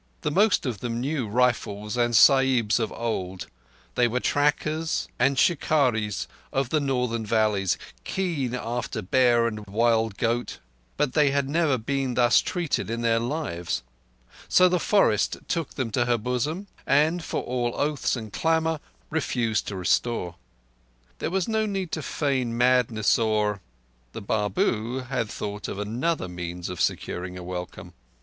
The most of them knew rifles and Sahibs of old: they were trackers and shikarris of the Northern valleys, keen after bear and wild goat; but they had never been thus treated in their lives. So the forest took them to her bosom, and, for all oaths and clamour, refused to restore. There was no need to feign madness or—the Babu had thought of another means of securing a welcome.